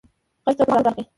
غږ له پاڼو راغی.